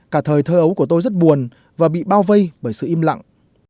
cả thời thơ ấu của tôi rất buồn và bị bao vây bởi sự im lặng